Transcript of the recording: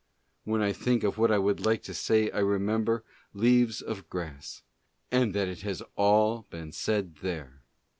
When I think of what I would like to say I remember "Leaves of Grass," and that it has all been said there.